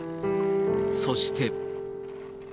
そして。